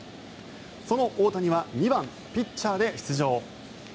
その大谷は２番ピッチャーで出場。